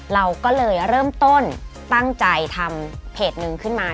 เราก็เลยเริ่มต้นตั้งใจทำเพจนึงขึ้นมา